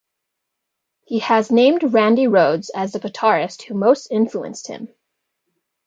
He has named Randy Rhoads as the guitarist who most influenced him.